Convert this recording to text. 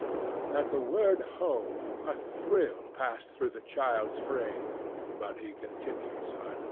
At the word "home" a thrill passed through the child's frame, but he continued silent.